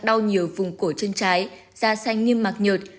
da xanh nghiêm mạc nhợt